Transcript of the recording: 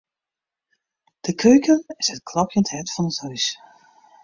De keuken is it klopjend hert fan it hús.